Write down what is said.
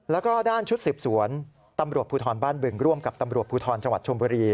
แล้วก็ด้านชุดสืบสวนตำรวจภูทรบ้านบึงร่วมกับตำรวจภูทรจังหวัดชมบุรี